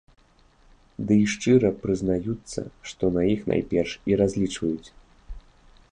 Дый шчыра прызнаюцца, што на іх найперш і разлічваюць.